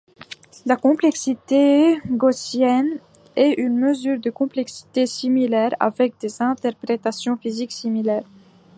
La complexité gaussienne est une mesure de complexité similaire, avec des interprétations physiques similaires.